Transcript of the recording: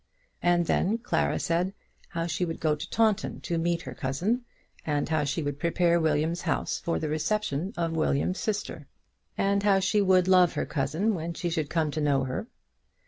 And then Clara said how she would go to Taunton to meet her cousin, and how she would prepare William's house for the reception of William's sister; and how she would love her cousin when she should come to know her.